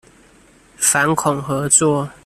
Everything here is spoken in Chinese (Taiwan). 反恐合作